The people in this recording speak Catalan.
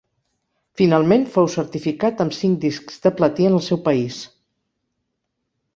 Finalment fou certificat amb cinc discs de platí en el seu país.